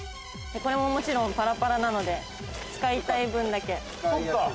これももちろんパラパラなので使いたい分だけ。